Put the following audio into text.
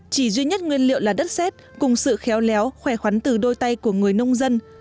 chỉ duy nhất nguyên liệu là đất xét cùng sự khéo léo khỏe khoắn từ đôi tay của người nông dân